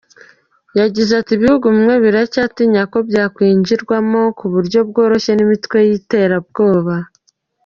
Yagize ati "Ibihugu bimwe biracyatinya ko byakwinjirwamo ku buryo bworoshye n’imitwe y’iterabwoba.